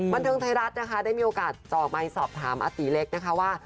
บรรเทิงไทยรัฐได้มีโอกาสต่อไปสอบถามอตีเล็กนะคะว่า